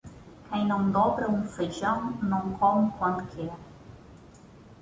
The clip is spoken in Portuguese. Quem não dobra um feijão não come quando quer.